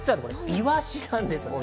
イワシなんです。